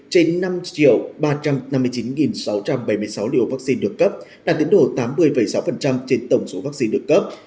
trên năm ba trăm năm mươi chín sáu trăm bảy mươi sáu liều vắc xin được cấp đạt tỉnh độ tám mươi sáu trên tổng số vắc xin được cấp